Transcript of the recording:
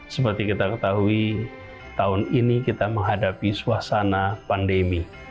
seperti kita ketahui tahun ini kita menghadapi suasana pandemi